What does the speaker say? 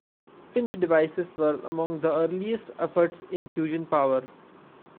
Pinch devices were among the earliest efforts in fusion power.